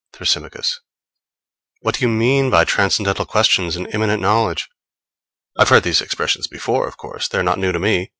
Thrasymachos. What do you mean by transcendental questions and immanent knowledge? I've heard these expressions before, of course; they are not new to me.